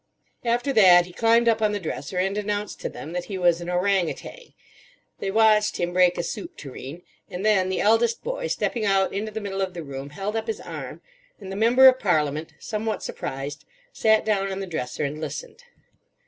After that he climbed up on the dresser and announced to them that he was an ourang outang. They watched him break a soup tureen, and then the eldest boy, stepping out into the middle of the room, held up his arm, and the Member of Parliament, somewhat surprised, sat down on the dresser and listened.